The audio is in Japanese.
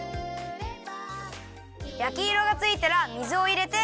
きいろがついたら水をいれて。